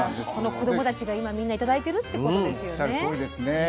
この子供たちが今みんな頂いてるってことですよね。